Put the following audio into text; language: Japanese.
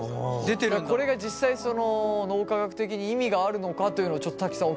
これが実際脳科学的に意味があるのかというのをちょっと瀧さん